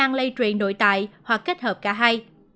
đang lây truyền nội tại hoặc kết hợp cả hai